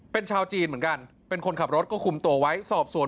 เป็นชาวจีนเหมือนกันเป็นคนขับรถก็คุมตัวไว้สอบสวน